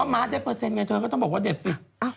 อ๋อมาร์จะเปอร์เซ็นต์ไงเธอก็บอกว่าเด็ดสิ